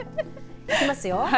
いきますよ。